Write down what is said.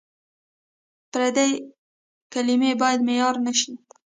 پردۍ کلمې باید معیار نه شي.